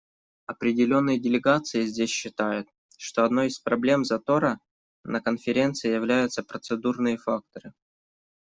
Определенные делегации здесь считают, что одной из проблем затора на Конференции являются процедурные факторы.